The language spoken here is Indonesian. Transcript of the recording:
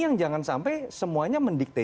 yang jangan sampai semuanya mendikte